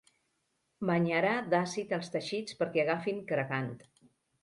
Banyarà d'àcid els teixits perquè agafin cracant.